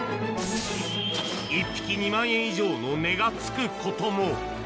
１匹２万円以上の値がつくことも。